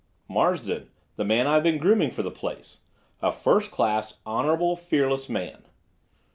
"Marsden—the man I've been grooming for the place. A first class, honorable, fearless man."